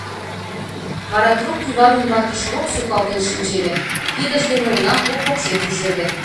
Вара трук кӱвар ӱмбаке шроп сукалтен шинчеве, кидышт дене унам клуб покшек ӱжеве.